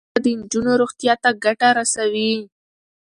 زده کړه د نجونو روغتیا ته ګټه رسوي.